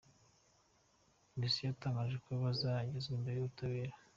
Polisi yatangaje ko bazagezwa imbere y’ubutabera.